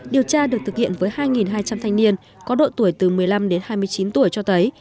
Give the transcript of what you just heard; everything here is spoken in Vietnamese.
điều tra được thực hiện với hai hai trăm linh thanh niên có độ tuổi từ một mươi năm đến hai mươi chín tuổi cho thấy